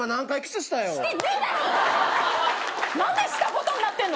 何でしたことになってるの？